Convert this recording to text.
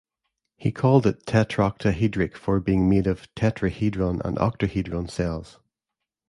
He called it a "tetroctahedric" for being made of tetrahedron and octahedron cells.